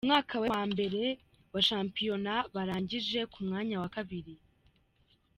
Mu mwaka we wa mbere wa shampiyona barangije ku mwanya wa kabiri.